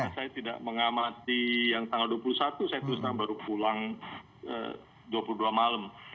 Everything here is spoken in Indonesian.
karena saya tidak mengamati yang tanggal dua puluh satu saya terus baru pulang dua puluh dua malam